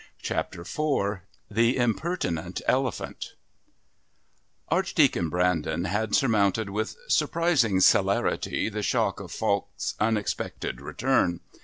Chapter IV The Impertinent Elephant Archdeacon Brandon had surmounted with surprising celerity the shock of Falk's unexpected return.